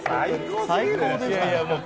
最高でした、もう。